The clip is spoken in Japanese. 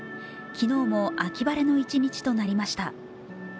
昨日も秋晴れの一日となりました。